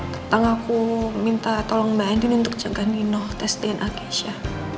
ketang aku minta tolong mbak endin untuk jaga nino testiin akesha